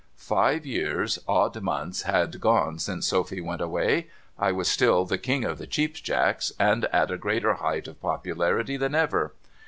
Five years, odd months, had gone since Sophy went away. I was still the King of the Cheap Jacks, and at a greater height of popularity than ever.